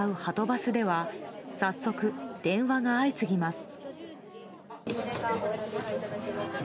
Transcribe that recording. バスでは早速、電話が相次ぎます。